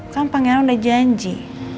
kan pangeran udah janji